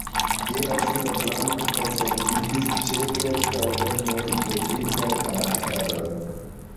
Je la suda flanko konserviĝis ĉe kelkaj domoj gotikaj arkadoj.